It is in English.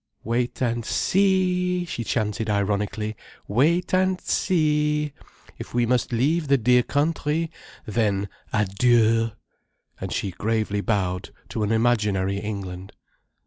"Wait and see!" she chanted ironically. "Wait and see! If we must leave the dear country—then adieu!" And she gravely bowed to an imaginary England.